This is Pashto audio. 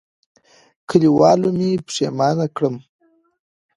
کلیوالو مې پښېمانه کړم.